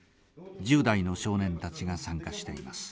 １０代の少年たちが参加しています。